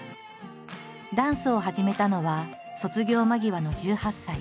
ダンスを始めたのは卒業間際の１８歳。